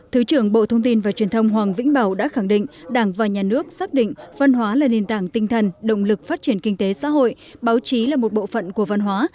thứ trưởng bộ thông tin và truyền thông hoàng vĩnh bảo đã khẳng định đảng và nhà nước xác định văn hóa là nền tảng tinh thần động lực phát triển kinh tế xã hội báo chí là một bộ phận của văn hóa